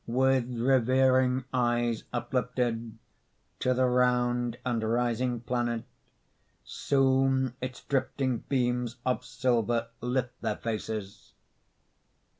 With revering eyes uplifted To the round and rising planet, Soon its drifting beams of silver Lit their faces.